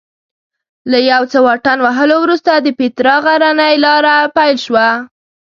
له یو څه واټن وهلو وروسته د پیترا غرنۍ لاره پیل شوه.